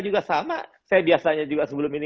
juga sama saya biasanya juga sebelum ini